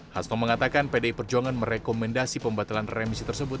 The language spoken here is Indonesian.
hasto mengatakan pdi perjuangan merekomendasi pembatalan remisi tersebut